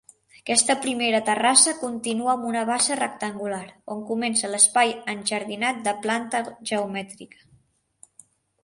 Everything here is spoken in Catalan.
Aquesta primera terrassa continua amb una bassa rectangular, on comença l'espai enjardinat de planta geomètrica.